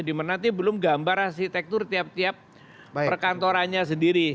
di mana nanti belum gambar arsitektur tiap tiap perkantorannya sendiri